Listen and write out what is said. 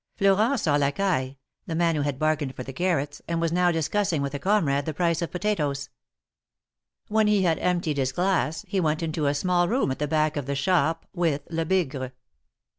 Florent saw Lacaille — the man who had bargained for the carrots, and was now discussing with a comrade the price of potatoes. When he had emptied his glass, he went into a small room at the back of the shop with Lebigre.